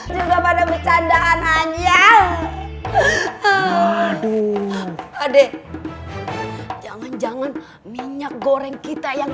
juga pada bercandaan hanya aduh jangan jangan minyak goreng kita yang